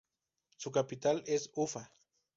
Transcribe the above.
Su capital es Ufá.